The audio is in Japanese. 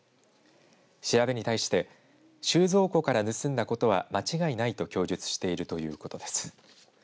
調べに対して収蔵庫から盗んだことは間違いないと供述しているということです。